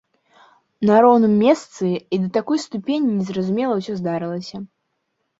На роўным месцы і да такой ступені незразумела ўсё здарылася!